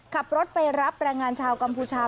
ขับรถไปรับแรงงานชาวกัมพูชา